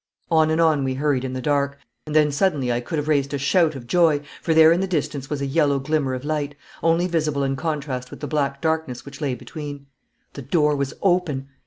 On and on we hurried in the dark, and then suddenly I could have raised a shout of joy, for there in the distance was a yellow glimmer of light, only visible in contrast with the black darkness which lay between. The door was open.